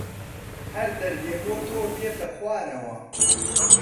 هەر دەردێ بۆ تۆ بێتە خوارەوە